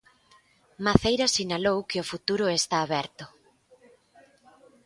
Maceiras sinalou que o futuro está aberto.